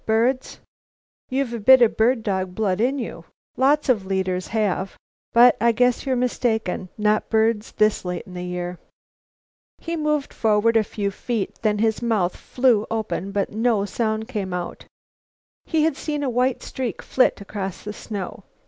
Birds? You've a bit of bird dog blood in you. Lots of leaders have, but I guess you're mistaken. Not birds this late in the year." He moved forward a few feet, then his mouth flew open, but no sound came out. Had he seen a white streak flit across the snow?